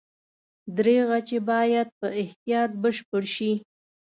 دریغه چې باید په احتیاط بشپړ شي.